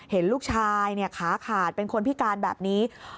เห็นลูกชายขาขาดเป็นคนพิการแบบนี้